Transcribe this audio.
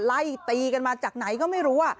ไล่ตีกันมาจากไหนก็ไม่รู้